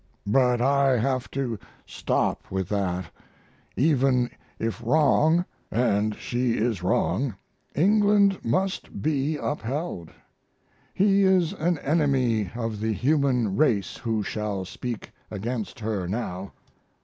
But I have to stop with that. Even if wrong & she is wrong England must be upheld. He is an enemy of the human race who shall speak against her now.